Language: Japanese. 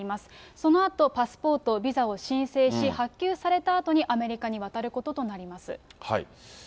そのあと、パスポート、ビザを申請し発給されたあとにアメリカに渡ることとなります。